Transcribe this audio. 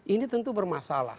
ini tentu bermasalah